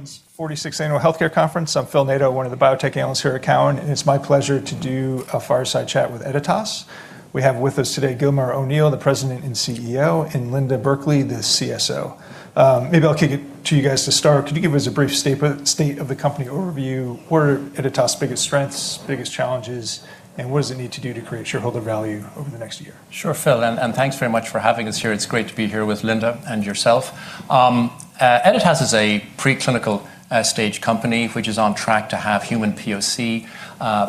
Cowen's 46th Annual Healthcare Conference. I'm Philip Nadeau, one of the Biotech Analysts here at Cowen. It's my pleasure to do a fireside chat with Editas. We have with us today, Gilmore O'Neill, the President and CEO, Linda Burkly, the CSO. Maybe I'll kick it to you guys to start. Could you give us a brief state of the company overview, what are Editas' biggest strengths, biggest challenges, what does it need to do to create shareholder value over the next year? Sure, Phil, thanks very much for having us here. It's great to be here with Linda and yourself. Editas is a preclinical-stage company which is on track to have human POC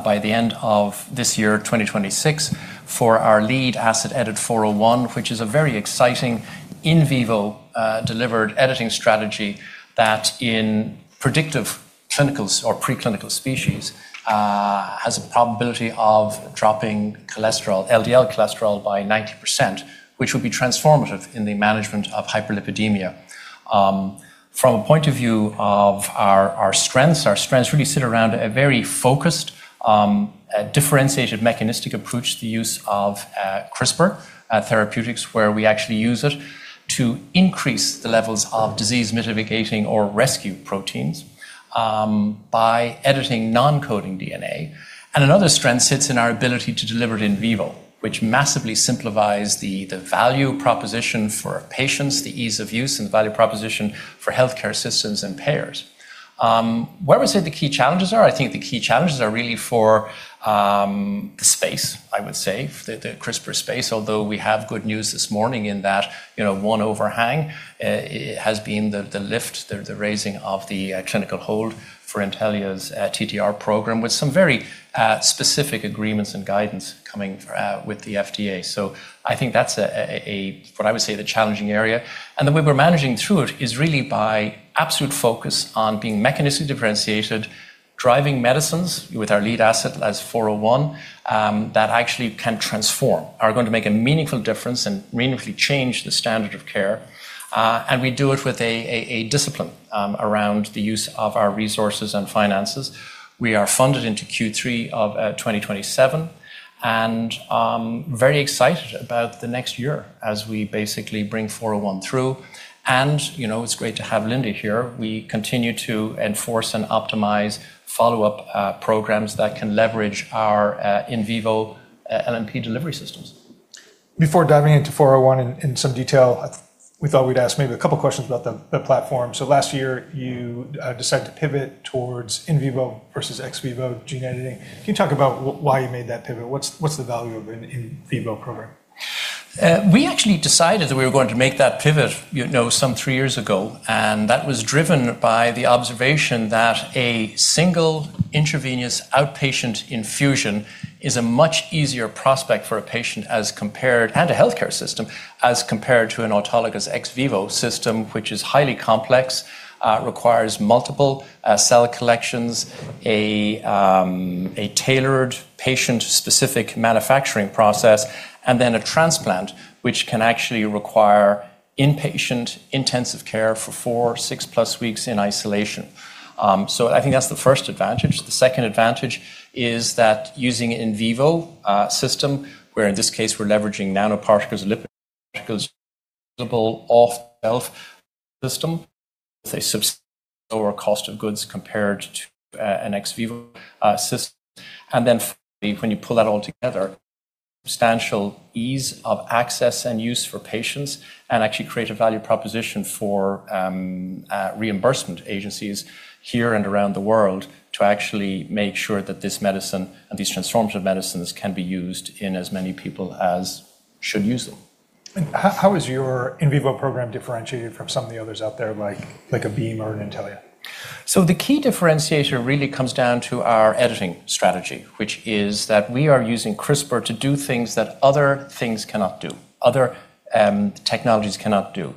by the end of this year, 2026, for our lead asset EDIT-401, which is a very exciting in vivo delivered editing strategy that in predictive clinical or preclinical species has a probability of dropping cholesterol, LDL cholesterol by 90%, which will be transformative in the management of hyperlipidemia. From a point of view of our strengths really sit around a very focused differentiated mechanistic approach to the use of CRISPR therapeutics, where we actually use it to increase the levels of disease-mitigating or rescue proteins by editing non-coding DNA. Another strength sits in our ability to deliver it in vivo, which massively simplifies the value proposition for patients, the ease of use and the value proposition for healthcare systems and payers. Where I would say the key challenges are, I think the key challenges are really for the space, I would say, the CRISPR space, although we have good news this morning in that, you know, one overhang has been the lift, the raising of the clinical hold for Intellia's TTR program with some very specific agreements and guidance coming for with the FDA. I think that's a what I would say the challenging area. The way we're managing through it is really by absolute focus on being mechanistically differentiated, driving medicines with our lead asset as EDIT-401, that actually can transform, are going to make a meaningful difference and meaningfully change the standard of care. We do it with a discipline around the use of our resources and finances. We are funded into Q3 of 2027 and very excited about the next year as we basically bring EDIT-401 through. You know, it's great to have Linda here. We continue to enforce and optimize follow-up programs that can leverage our in vivo LNP delivery systems. Before diving into 401 in some detail, we thought we'd ask maybe a couple questions about the platform. Last year you decided to pivot towards in vivo versus ex vivo gene editing. Can you talk about why you made that pivot? What's the value of an in vivo program? We actually decided that we were going to make that pivot, you know, some three years ago. That was driven by the observation that a single intravenous outpatient infusion is a much easier prospect for a patient as compared, and a healthcare system, as compared to an autologous ex vivo system, which is highly complex, requires multiple cell collections, a tailored patient-specific manufacturing process, and then a transplant, which can actually require inpatient intensive care for four, six-plus weeks in isolation. I think that's the first advantage. The second advantage is that using in vivo system, where in this case we're leveraging nanoparticles and lipid particles off-the-shelf system with a substantially lower cost of goods compared to an ex vivo system. When you pull that all together, substantial ease of access and use for patients and actually create a value proposition for reimbursement agencies here and around the world to actually make sure that this medicine and these transformative medicines can be used in as many people as should use them. How is your in vivo program differentiated from some of the others out there, like a Beam or an Intellia? The key differentiator really comes down to our editing strategy, which is that we are using CRISPR to do things that other things cannot do, other technologies cannot do.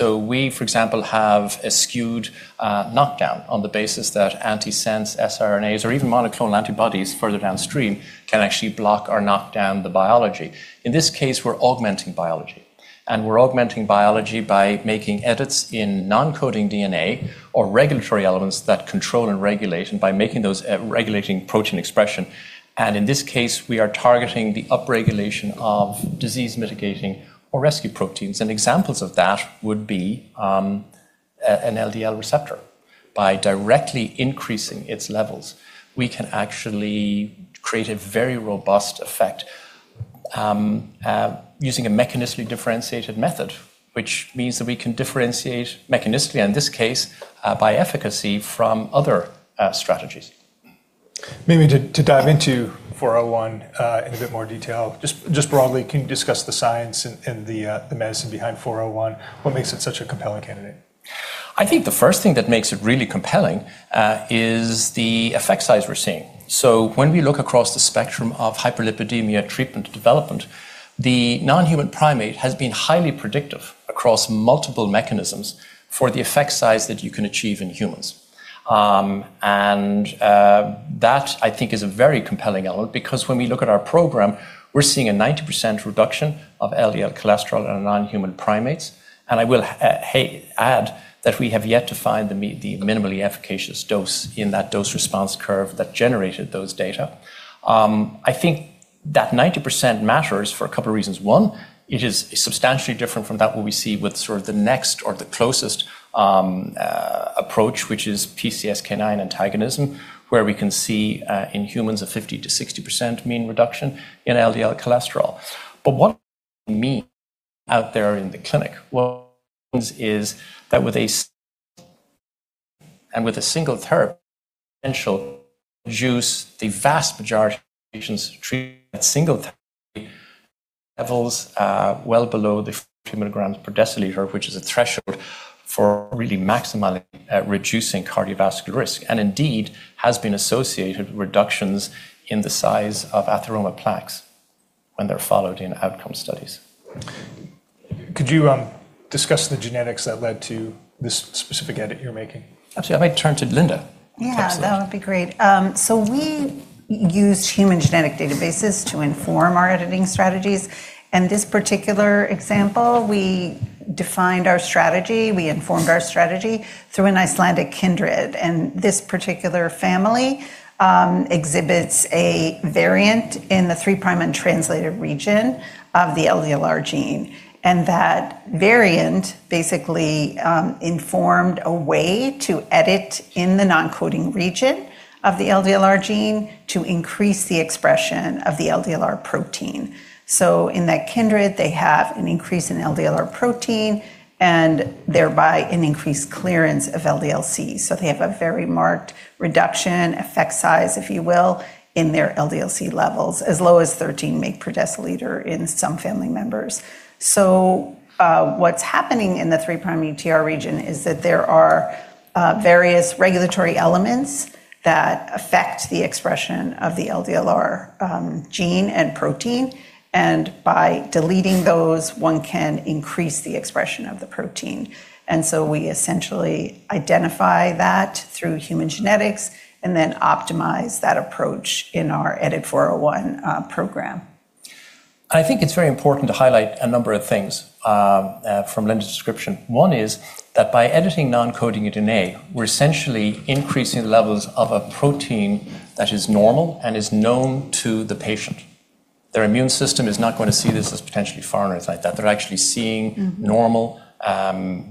We, for example, have a skewed knockdown on the basis that antisense, sRNAs or even monoclonal antibodies further downstream can actually block or knock down the biology. In this case, we're augmenting biology, and we're augmenting biology by making edits in non-coding DNA or regulatory elements that control and regulate, and by making those regulating protein expression. In this case, we are targeting the upregulation of disease-mitigating or rescue proteins. Examples of that would be an LDL receptor. By directly increasing its levels, we can actually create a very robust effect, using a mechanistically differentiated method, which means that we can differentiate mechanistically, in this case, by efficacy from other strategies. Maybe to dive into EDIT-401, in a bit more detail. Just broadly, can you discuss the science and the medicine behind EDIT-401? What makes it such a compelling candidate? I think the first thing that makes it really compelling is the effect size we're seeing. When we look across the spectrum of hyperlipidemia treatment development, the non-human primate has been highly predictive across multiple mechanisms for the effect size that you can achieve in humans. That I think is a very compelling element because when we look at our program, we're seeing a 90% reduction of LDL cholesterol in non-human primates. I will add that we have yet to find the minimally efficacious dose in that dose-response curve that generated those data. That 90% matters for a couple of reasons. One, it is substantially different from that what we see with sort of the next or the closest approach, which is PCSK9 antagonism, where we can see in humans a 50%-60% mean reduction in LDL cholesterol. What does that mean out there in the clinic? What it means is that with a single therapy potential reduce the vast majority of patients treated with a single therapy levels well below the 50 milligrams per deciliter, which is a threshold for really maximally reducing cardiovascular risk, and indeed has been associated with reductions in the size of atheromatous plaques when they're followed in outcome studies. Could you discuss the genetics that led to this specific edit you're making? Absolutely. I might turn to Linda. Yeah. Excellent. That would be great. We used human genetic databases to inform our editing strategies. This particular example, we defined our strategy, we informed our strategy through an Icelandic kindred. This particular family exhibits a variant in the three prime untranslated region of the LDLR gene. That variant basically informed a way to edit in the non-coding region of the LDLR gene to increase the expression of the LDLR protein. In that kindred, they have an increase in LDLR protein and thereby an increased clearance of LDL-C. They have a very marked reduction effect size, if you will, in their LDL-C levels, as low as 13 mg per deciliter in some family members. What's happening in the three prime UTR region is that there are various regulatory elements that affect the expression of the LDLR gene and protein. By deleting those, one can increase the expression of the protein. We essentially identify that through human genetics and then optimize that approach in our EDIT-401 program. I think it's very important to highlight a number of things, from Linda's description. One is that by editing non-coding DNA, we're essentially increasing the levels of a protein that is normal and is known to the patient. Their immune system is not going to see this as potentially foreign or anything like that. They're actually seeing- Mm-hmm. normal,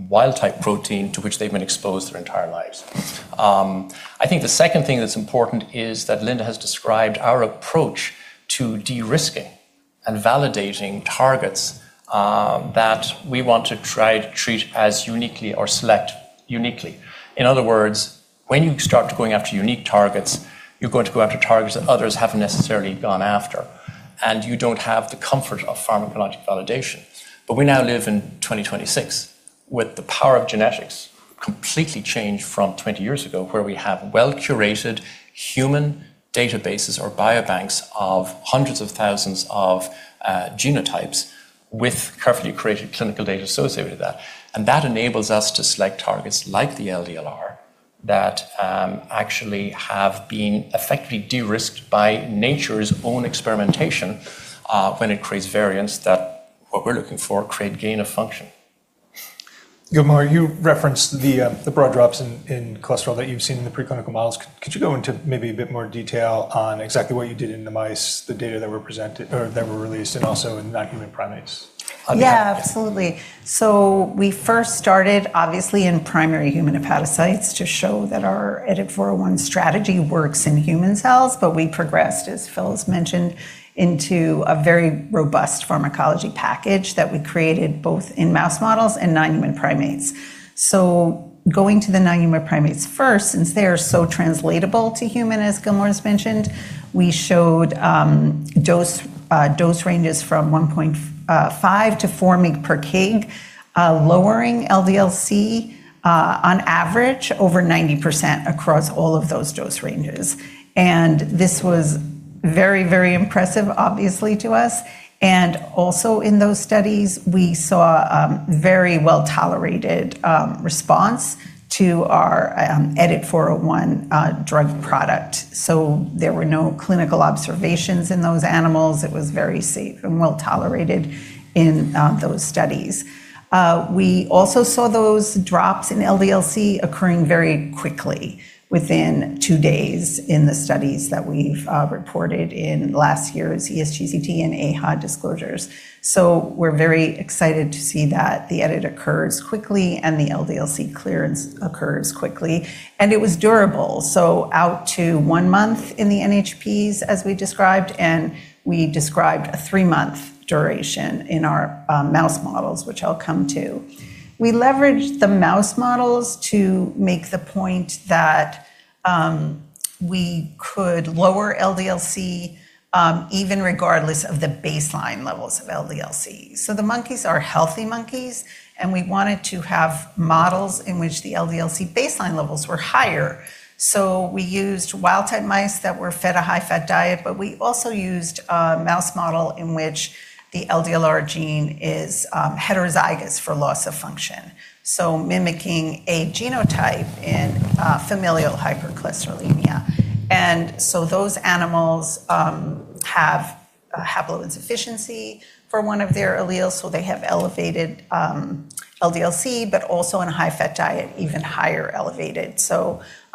wild-type protein to which they've been exposed their entire lives. I think the second thing that's important is that Linda has described our approach to de-risking and validating targets, that we want to try to treat as uniquely or select uniquely. In other words, when you start going after unique targets, you're going to go after targets that others haven't necessarily gone after, and you don't have the comfort of pharmacologic validation. We now live in 2026 with the power of genetics completely changed from 20 years ago, where we have well-curated human databases or biobanks of hundreds of thousands of genotypes with carefully created clinical data associated with that. That enables us to select targets like the LDLR that actually have been effectively de-risked by nature's own experimentation when it creates variants that what we're looking for create gain-of-function. Gilmore, you referenced the broad drops in cholesterol that you've seen in the preclinical models. Could you go into maybe a bit more detail on exactly what you did in the mice, the data that were presented or that were released, and also in non-human primates? Yeah, absolutely. We first started obviously in primary human hepatocytes to show that our EDIT-401 strategy works in human cells, but we progressed, as Phil has mentioned, into a very robust pharmacology package that we created both in mouse models and non-human primates. Going to the non-human primates first, since they are so translatable to human, as Gilmore has mentioned, we showed dose ranges from 1.5 to 4 mg per kg lowering LDL-C on average over 90% across all of those dose ranges. This was very, very impressive obviously to us. Also in those studies, we saw a very well-tolerated response to our EDIT-401 drug product. There were no clinical observations in those animals. It was very safe and well-tolerated in those studies. We also saw those drops in LDL-C occurring very quickly within two days in the studies that we've reported in last year's ESGCT and AHA disclosures. We're very excited to see that the edit occurs quickly and the LDL-C clearance occurs quickly. It was durable, so out to one month in the NHPs as we described, and we described a three-month duration in our mouse models, which I'll come to. We leveraged the mouse models to make the point that we could lower LDL-C even regardless of the baseline levels of LDL-C. The monkeys are healthy monkeys, and we wanted to have models in which the LDL-C baseline levels were higher. We used wild-type mice that were fed a high-fat diet, but we also used a mouse model in which the LDLR gene is heterozygous for loss of function, so mimicking a genotype in familial hypercholesterolemia. Those animals have a haploinsufficiency for one of their alleles, so they have elevated LDL-C, but also in a high-fat diet, even higher elevated.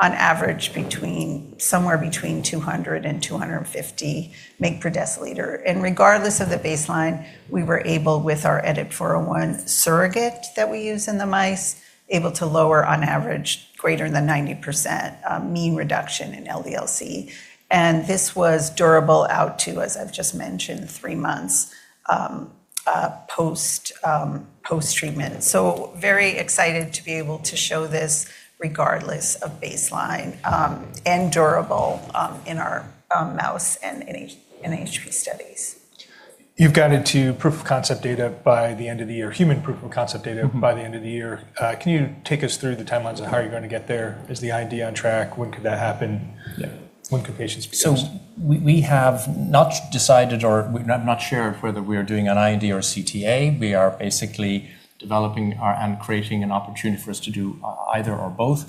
On average between 200 and 250 mg per deciliter. Regardless of the baseline, we were, with our EDIT-401 surrogate that we use in the mice, able to lower on average greater than 90% mean reduction in LDL-C. This was durable out to, as I've just mentioned, three months post-treatment. Very excited to be able to show this regardless of baseline, and durable, in our mouse and in NHP studies. You've guided to proof of concept data by the end of the year, human proof of concept data by the end of the year. Can you take us through the timelines of how you're going to get there? Is the ID on track? When could that happen? Yeah. When could patients be on it? We have not decided or we're not sure whether we are doing an IND or CTA. We are basically developing and creating an opportunity for us to do either or both.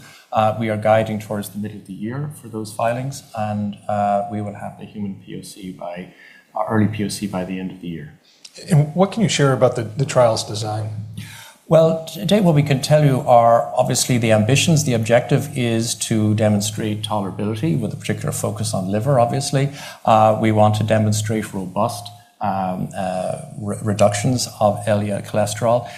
We are guiding towards the middle of the year for those filings, and we will have the human POC or early POC by the end of the year. What can you share about the trial's design? Well, to date, what we can tell you are obviously the ambitions. The objective is to demonstrate tolerability with a particular focus on liver, obviously. We want to demonstrate robust re-reductions of LDL cholesterol.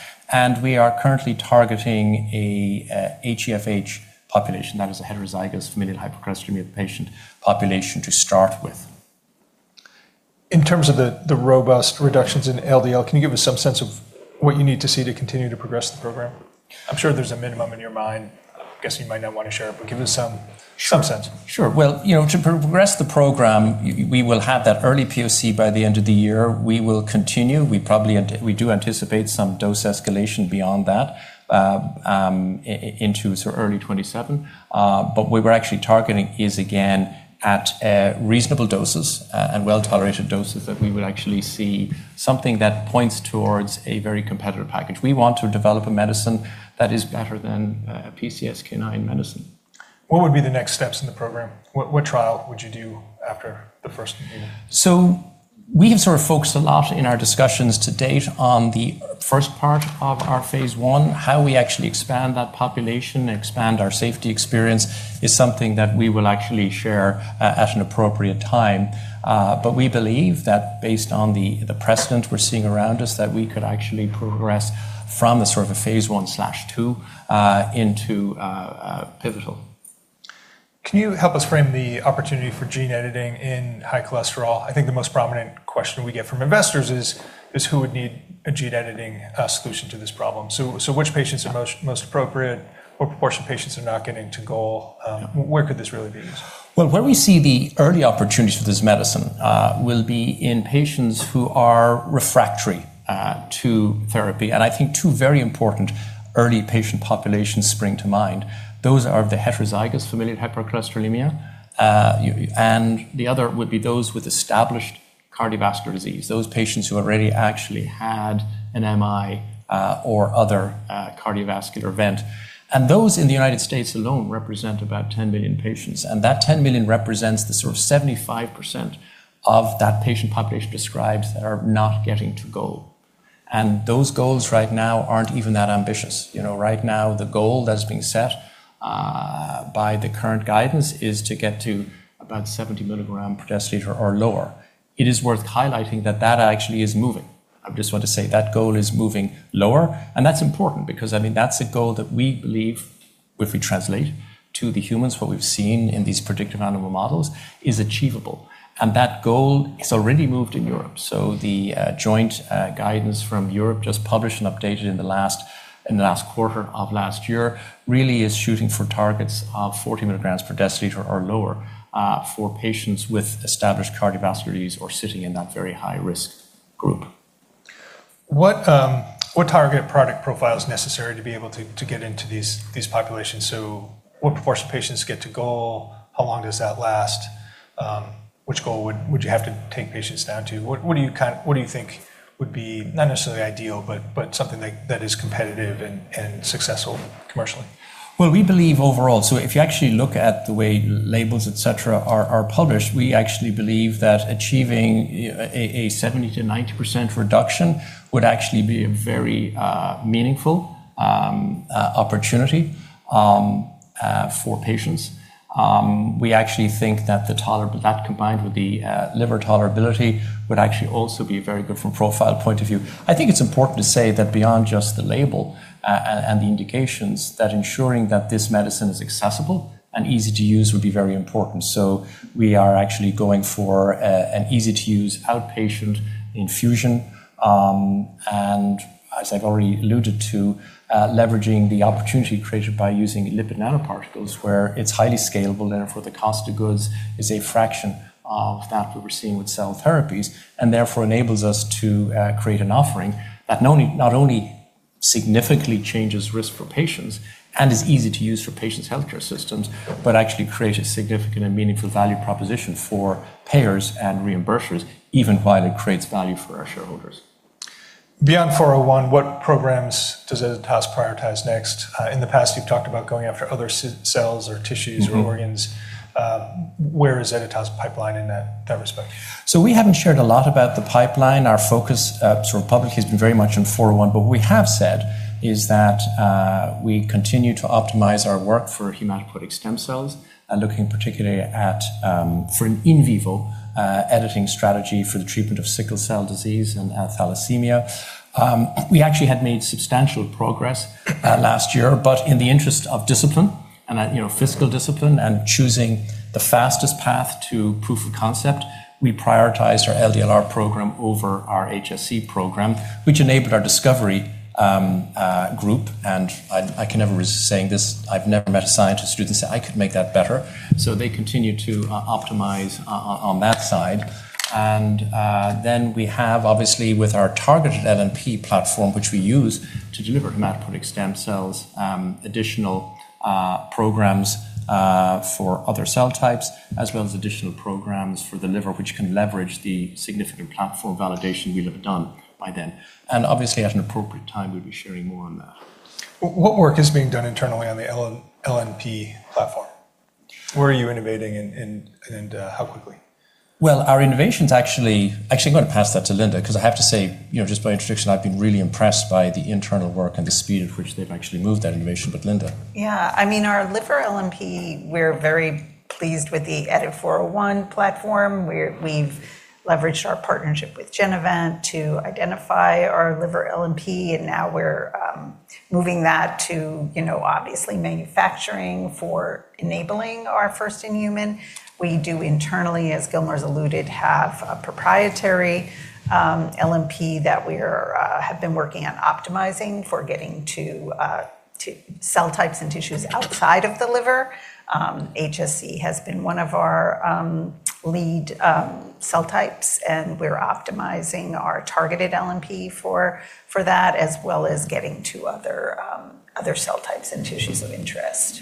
We are currently targeting a HEFH population, that is a heterozygous familial hypercholesterolemia patient population to start with. In terms of the robust reductions in LDL, can you give us some sense of what you need to see to continue to progress the program? I'm sure there's a minimum in your mind. I guess you might not want to share it, but give us some sense. Sure. Well, you know, to progress the program, we will have that early POC by the end of the year. We will continue. We probably do anticipate some dose escalation beyond that, into early 2027. What we're actually targeting is, again, at reasonable doses, and well-tolerated doses that we would actually see something that points towards a very competitive package. We want to develop a medicine that is better than a PCSK9 medicine. What would be the next steps in the program? What trial would you do after the first one here? We have sort of focused a lot in our discussions to date on the first part of our phase I. How we actually expand that population, expand our safety experience is something that we will actually share at an appropriate time. We believe that based on the precedent we're seeing around us, that we could actually progress from the sort of a phase I/II into pivotal. Can you help us frame the opportunity for gene editing in high cholesterol? I think the most prominent question we get from investors is who would need a gene editing solution to this problem? Which patients are most appropriate? What proportion of patients are not getting to goal? Where could this really be used? Well, where we see the early opportunities for this medicine, will be in patients who are refractory to therapy. I think two very important early patient populations spring to mind. Those are the heterozygous familial hypercholesterolemia, and the other would be those with established cardiovascular disease, those patients who already actually had an MI or other cardiovascular event. Those in the United States alone represent about 10 million patients, and that 10 million represents the sort of 75% of that patient population described that are not getting to goal. Those goals right now aren't even that ambitious. You know, right now the goal that's being set by the current guidance is to get to about 70 milligram per deciliter or lower. It is worth highlighting that that actually is moving. I just want to say that goal is moving lower, and that's important because, I mean, that's a goal that we believe, if we translate to the humans what we've seen in these predictive animal models, is achievable. That goal has already moved in Europe. The joint guidance from Europe just published and updated in the last, in the last quarter of last year really is shooting for targets of 40 milligrams per deciliter or lower for patients with established cardiovascular disease or sitting in that very high-risk group. What target product profile is necessary to be able to get into these populations? What proportion of patients get to goal? How long does that last? Which goal would you have to take patients down to? What do you think would be not necessarily ideal but something that is competitive and successful commercially? Well, we believe overall. If you actually look at the way labels, et cetera, are published, we actually believe that achieving a 70%-90% reduction would actually be a very meaningful opportunity for patients. We actually think that combined with the liver tolerability would actually also be very good from profile point of view. I think it's important to say that beyond just the label, and the indications, that ensuring that this medicine is accessible and easy to use would be very important. We are actually going for an easy-to-use outpatient infusion, and as I've already alluded to, leveraging the opportunity created by using lipid nanoparticles where it's highly scalable, therefore the cost of goods is a fraction of that what we're seeing with cell therapies and therefore enables us to create an offering that not only significantly changes risk for patients and is easy to use for patients' healthcare systems, but actually creates a significant and meaningful value proposition for payers and reimbursers, even while it creates value for our shareholders. Beyond EDIT-401, what programs does Editas prioritize next? In the past, you've talked about going after other cells or tissues. Mm-hmm. -or organs. Where is Editas' pipeline in that respect? We haven't shared a lot about the pipeline. Our focus, sort of publicly has been very much on 401, what we have said is that we continue to optimize our work for hematopoietic stem cells and looking particularly at for an in vivo editing strategy for the treatment of sickle cell disease and thalassemia. We actually had made substantial progress last year, in the interest of discipline and, you know, fiscal discipline and choosing the fastest path to proof of concept, we prioritized our LDLR program over our HSC program, which enabled our discovery group. I can never resist saying this, I've never met a scientist who didn't say, "I could make that better." They continue to optimize on that side. We have obviously with our targeted LNP platform, which we use to deliver hematopoietic stem cells, additional programs for other cell types, as well as additional programs for the liver, which can leverage the significant platform validation we'll have done by then. Obviously, at an appropriate time, we'll be sharing more on that. What work is being done internally on the LNP platform? Where are you innovating and, how quickly? Well, our innovation's actually, I'm going to pass that to Linda because I have to say, you know, just by introduction, I've been really impressed by the internal work and the speed at which they've actually moved that innovation. Linda. Yeah. I mean, our liver LNP, we're very pleased with the EDIT-401 platform, where we've leveraged our partnership with Genevant to identify our liver LNP. Now we're moving that to, you know, obviously manufacturing for enabling our first-in-human. We do internally, as Gilmore's alluded, have a proprietary LNP that we're have been working on optimizing for getting to cell types and tissues outside of the liver. HSC has been one of our lead cell types, and we're optimizing our targeted LNP for that, as well as getting to other cell types and tissues of interest.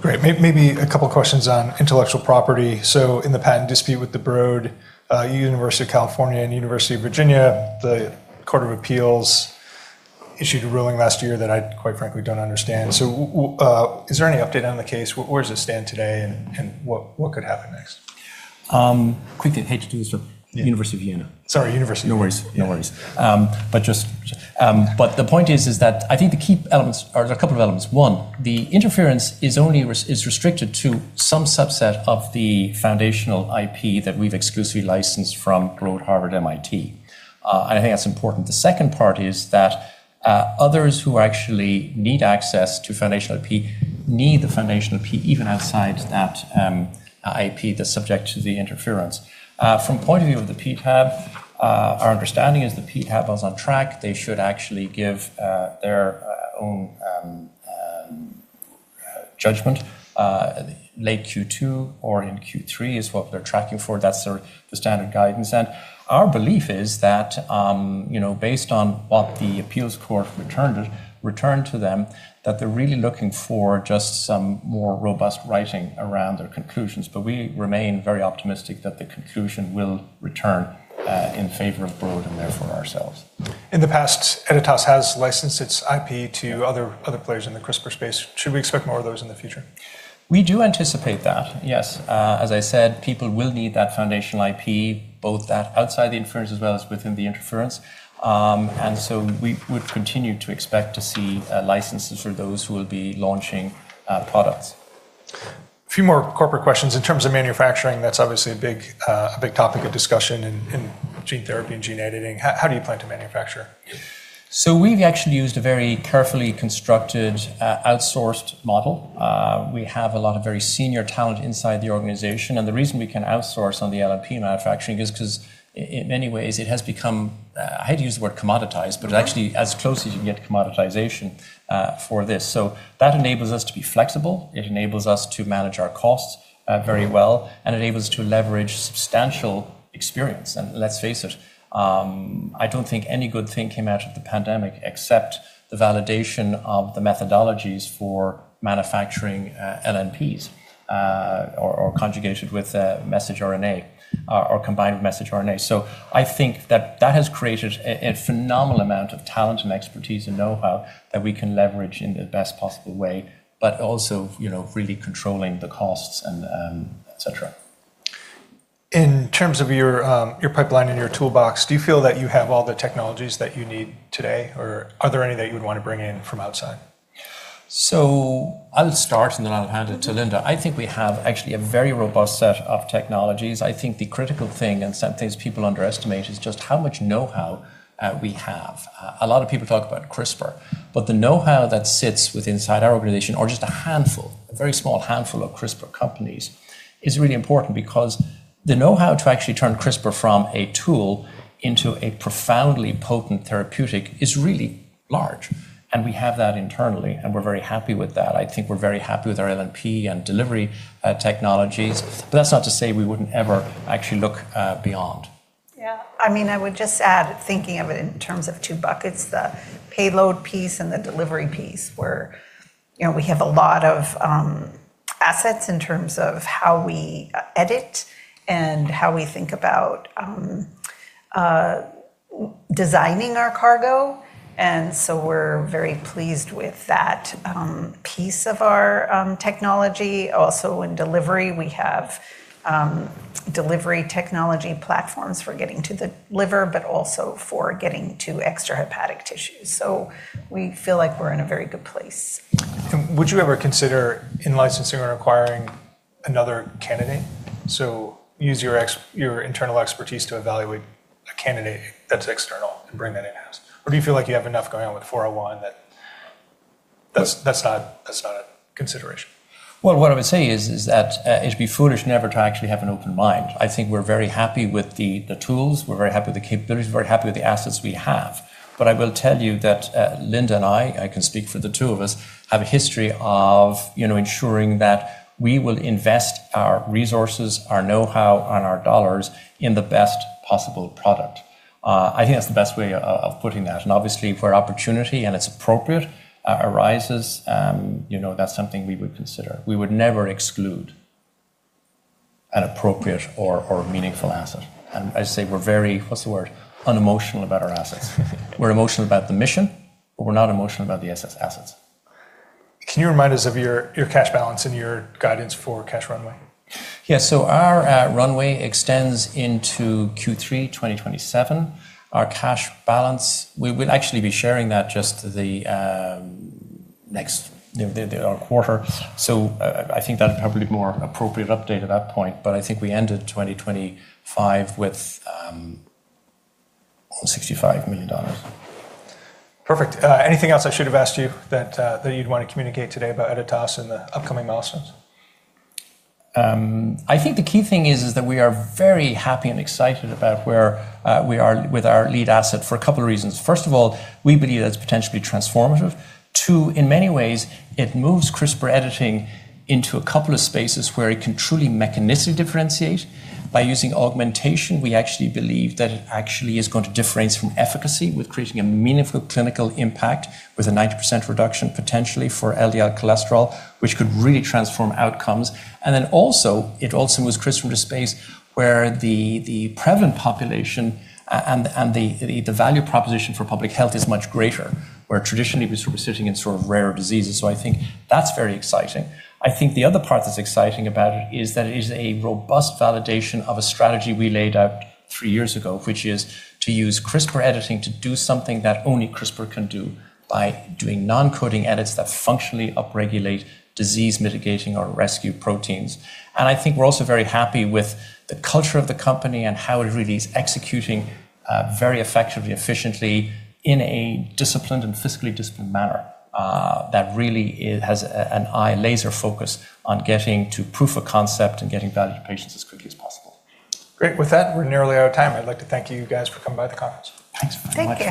Great. A couple of questions on intellectual property. In the patent dispute with the Broad, University of California and University of Virginia, the Court of Appeals issued a ruling last year that I quite frankly don't understand. Is there any update on the case? Where does it stand today and what could happen next? quickly, I hate to do this, but University of Vienna. Sorry, University of Vienna. No worries. No worries. The point is that I think the key elements are a couple of elements. One, the interference is only restricted to some subset of the foundational IP that we've exclusively licensed from Broad, Harvard, MIT. I think that's important. The second part is that others who actually need access to foundational IP need the foundational IP even outside that IP that's subject to the interference. From point of view of the PTAB, our understanding is the PTAB was on track. They should actually give their own judgment late Q2 or in Q3 is what they're tracking for. That's the standard guidance. Our belief is that, you know, based on what the appeals court returned to them, that they're really looking for just some more robust writing around their conclusions. We remain very optimistic that the conclusion will return in favor of Broad and therefore ourselves. In the past, Editas has licensed its IP to other players in the CRISPR space. Should we expect more of those in the future? We do anticipate that, yes. As I said, people will need that foundational IP, both at outside the inference as well as within the interference. We would continue to expect to see licenses for those who will be launching products. A few more corporate questions. In terms of manufacturing, that's obviously a big topic of discussion in gene therapy and gene editing. How do you plan to manufacture? We've actually used a very carefully constructed, outsourced model. We have a lot of very senior talent inside the organization, the reason we can outsource on the LNP manufacturing is 'cause in many ways, it has become, I hate to use the word commoditized, but actually as close as you can get to commoditization for this. That enables us to be flexible, it enables us to manage our costs very well, and enables to leverage substantial experience. Let's face it, I don't think any good thing came out of the pandemic except the validation of the methodologies for manufacturing LNPs, or conjugated with messenger RNA, or combined with messenger RNA. I think that that has created a phenomenal amount of talent and expertise and know-how that we can leverage in the best possible way, but also, you know, really controlling the costs and et cetera. In terms of your pipeline and your toolbox, do you feel that you have all the technologies that you need today, or are there any that you would want to bring in from outside? I'll start, and then I'll hand it to Linda. I think we have actually a very robust set of technologies. I think the critical thing, and sometimes people underestimate, is just how much know-how we have. A lot of people talk about CRISPR, but the know-how that sits with inside our organization or just a handful, a very small handful of CRISPR companies, is really important because the know-how to actually turn CRISPR from a tool into a profoundly potent therapeutic is really large, and we have that internally, and we're very happy with that. I think we're very happy with our LNP and delivery technologies, but that's not to say we wouldn't ever actually look beyond. Yeah. I mean, I would just add thinking of it in terms of two buckets, the payload piece and the delivery piece, where, you know, we have a lot of Assets in terms of how we edit and how we think about designing our cargo, and so we're very pleased with that piece of our technology. In delivery, we have delivery technology platforms for getting to the liver, but also for getting to extrahepatic tissues. We feel like we're in a very good place. Would you ever consider in-licensing or acquiring another candidate? Use your internal expertise to evaluate a candidate that's external and bring that in-house. Do you feel like you have enough going on with EDIT-401 that's not a consideration? Well, what I would say is that it'd be foolish never to actually have an open mind. I think we're very happy with the tools. We're very happy with the capabilities, we're very happy with the assets we have. I will tell you that Linda and I can speak for the two of us, have a history of, you know, ensuring that we will invest our resources, our know-how, and our dollars in the best possible product. I think that's the best way of putting that. Obviously, if an opportunity, and it's appropriate, arises, you know that's something we would consider. We would never exclude an appropriate or meaningful asset. I say we're very... what's the word? Unemotional about our assets. We're emotional about the mission, but we're not emotional about the assets. Can you remind us of your cash balance and your guidance for cash runway? Yeah. Our runway extends into Q3 2027. Our cash balance, we will actually be sharing that just the next, our quarter. I think that'll probably be more appropriate update at that point. I think we ended 2025 with $65 million. Perfect. Anything else I should have asked you that you'd want to communicate today about Editas and the upcoming milestones? I think the key thing is that we are very happy and excited about where we are with our lead asset for a couple of reasons. First of all, we believe that it's potentially transformative. Two, in many ways, it moves CRISPR editing into a couple of spaces where it can truly mechanistically differentiate. By using augmentation, we actually believe that it actually is going to differentiate from efficacy with creating a meaningful clinical impact with a 90% reduction potentially for LDL cholesterol, which could really transform outcomes. It also moves CRISPR into space where the prevalent population and the value proposition for public health is much greater, where traditionally it was sort of sitting in sort of rarer diseases. I think that's very exciting. I think the other part that's exciting about it is that it is a robust validation of a strategy we laid out three years ago, which is to use CRISPR editing to do something that only CRISPR can do by doing non-coding edits that functionally upregulate disease mitigating or rescue proteins. I think we're also very happy with the culture of the company and how it really is executing very effectively, efficiently in a disciplined and fiscally disciplined manner, that really it has an eye laser focus on getting to proof of concept and getting value to patients as quickly as possible. Great. With that, we're nearly out of time. I'd like to thank you guys for coming by the conference. Thanks very much. Thank you.